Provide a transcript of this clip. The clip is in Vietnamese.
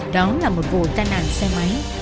đó là một vụ tai nạn xe máy